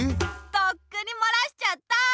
とっくにもらしちゃった！